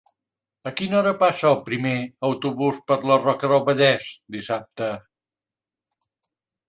A quina hora passa el primer autobús per la Roca del Vallès dissabte?